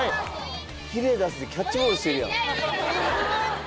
キレダスでキャッチボールしてるやん。